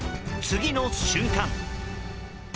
次の瞬間。